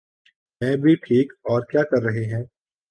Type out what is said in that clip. میں بھی ٹھیک۔ اور کیا کر رہے ہیں؟